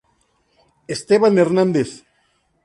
Esteban Hernandez.